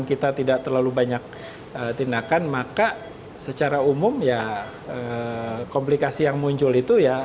kita tidak terlalu banyak tindakan maka secara umum ya komplikasi yang muncul itu ya